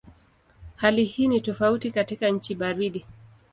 Hali hii ni tofauti katika nchi baridi.